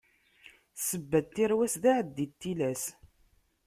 Ssebba n tirwas, d aɛaddi n tilas.